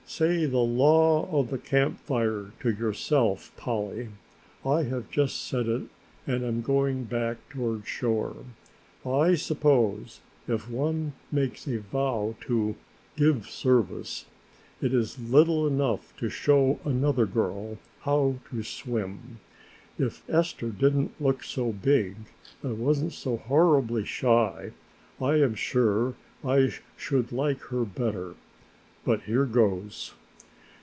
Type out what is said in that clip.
"Say the Law of the Camp Fire to yourself, Polly. I have just said it and I am going back toward shore. I suppose if one makes a vow to 'give service' it is little enough to show another girl how to swim. If Esther didn't look so big and wasn't so horribly shy, I am sure I should like her better, but here goes!"